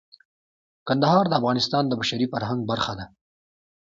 کندهار د افغانستان د بشري فرهنګ برخه ده.